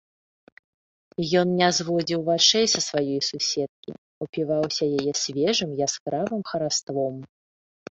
Ён не зводзіў вачэй з сваёй суседкі, упіваўся яе свежым яскравым хараством.